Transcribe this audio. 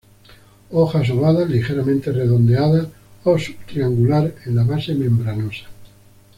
Hojas ovadas, ligeramente redondeadas o subtriangular en la base, membranosas.